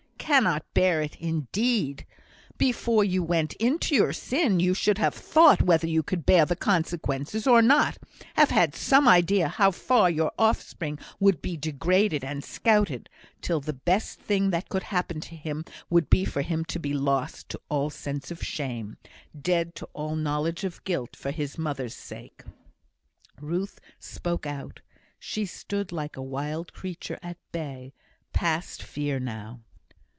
'Cannot bear it,' indeed! Before you went into your sin, you should have thought whether you could bear the consequences or not have had some idea how far your offspring would be degraded and scouted, till the best thing that could happen to him would be for him to be lost to all sense of shame, dead to all knowledge of guilt, for his mother's sake." Ruth spoke out. She stood like a wild creature at bay, past fear now.